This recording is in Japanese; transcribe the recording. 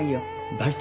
バイト？